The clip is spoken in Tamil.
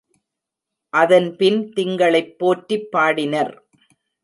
அதன் பின் திங்களைப் போற்றிப் பாடினர்.